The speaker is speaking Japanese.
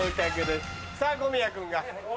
さぁ小宮君が。